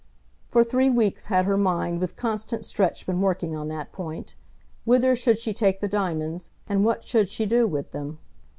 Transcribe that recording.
For three weeks had her mind with constant stretch been working on that point, whither should she take the diamonds, and what should she do with them?